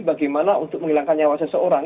bagaimana untuk menghilangkan nyawa seseorang